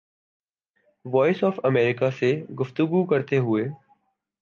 voice of America سے گفتگو کرتے ہوئے